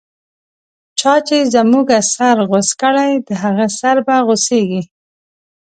چا چی زموږه سر غوڅ کړی، د هغه سر به غو څیږی